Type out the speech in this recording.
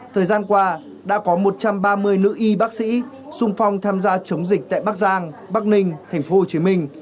thời gian qua đã có một trăm ba mươi nữ y bác sĩ sung phong tham gia chống dịch tại bắc giang bắc ninh tp hcm